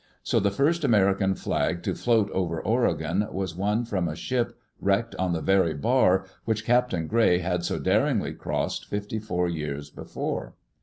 So the first American flag to float over Oregon was one from a ship wrecked on the very bar which Captain Gray had so daringly crossed fifty four years before.